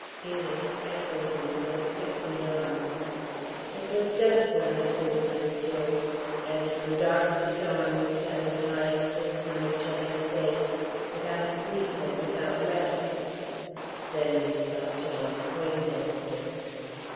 Felix, echoing it, went quickly on: "It was dusk when I told my story, and from dark to dawn we sat with eyes fixed on each other's face, without sleep and without rest. Then we sought John Poindexter.